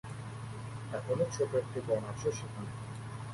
এখনো ছোট একটি বন আছে সেখানে।